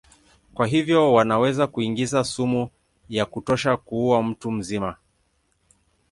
Kwa hivyo wanaweza kuingiza sumu ya kutosha kuua mtu mzima.